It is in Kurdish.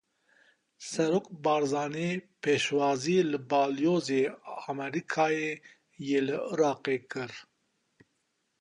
Serok Barzanî pêşwazî li Balyozê Amerîkayê yê li Iraqê kir.